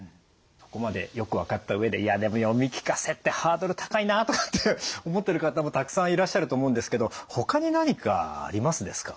ここまでよく分かった上でいやでも読み聞かせってハードル高いなとかって思ってる方もたくさんいらっしゃると思うんですけどほかに何かありますですか？